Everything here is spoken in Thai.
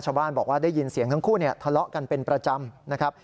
ชาวบ้านบอกว่าได้ยินเสียงทั้งคู่ทะเลาะกันเป็นประจำนะครับ